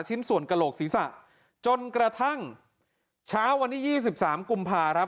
ชิ้นส่วนกระโหลกศีรษะจนกระทั่งเช้าวันที่๒๓กุมภาครับ